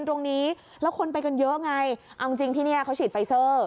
ตรงนี้แล้วคนไปกันเยอะไงเอาจริงที่นี่เขาฉีดไฟเซอร์